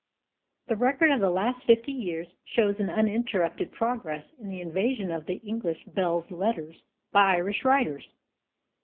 The record of the last fifty years shows an uninterrupted progress in the invasion of English belles lettres by Irish writers.